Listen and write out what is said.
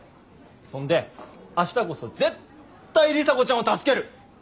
そんで明日こそ絶対里紗子ちゃんを助ける。